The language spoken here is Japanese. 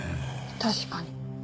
確かに。